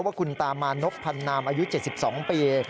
ว่าคุณตามานพพันนามอายุ๗๒ปี